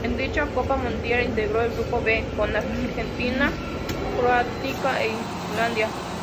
En dicha Copa Mundial integró el Grupo D, con Argentina, Croacia e Islandia.